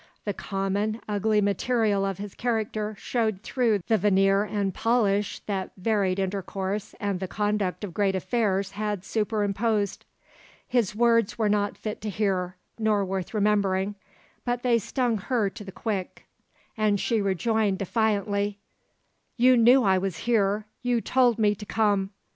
The common, ugly material of his character showed through the veneer and polish that varied intercourse and the conduct of great affairs had superimposed. His words were not fit to hear, nor worth remembering; but they stung her to the quick and she rejoined defiantly: "You knew I was here; you told me to come!